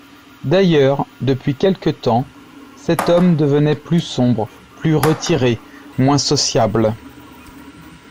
D'ailleurs, depuis quelque temps, cet homme devenait plus sombre, plus retiré, moins sociable.